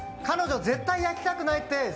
彼女絶対焼きたくないって